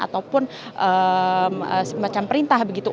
ataupun macam perintah begitu